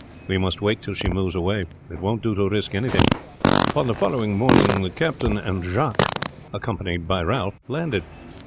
We must wait till she moves away. It won't do to risk anything." Upon the following morning the captain and Jacques, accompanied by Ralph, landed.